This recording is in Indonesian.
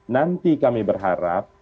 nanti kami berharap